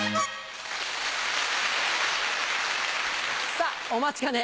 さぁお待ちかね。